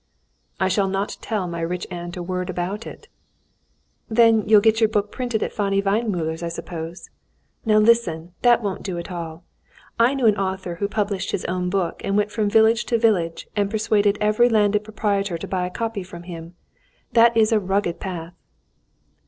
"I shall not tell my rich aunt a word about it." "Then you'll get your book printed at Fani Weinmüller's, I suppose. Now listen, that won't do at all. I knew an author who published his own book and went from village to village, and persuaded every landed proprietor to buy a copy from him. That is a rugged path."